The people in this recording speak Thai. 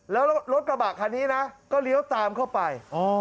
แล้วรถกระบะคันนี้นะก็เลี้ยวตามเข้าไป